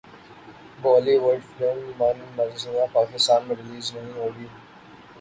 بولی would film Man Marziyaan Pakistan میں release نہیں ہوگی